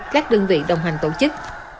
các đơn vị đồng hành tổ chức